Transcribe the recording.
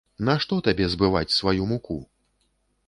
Нашто табе збываць сваю муку?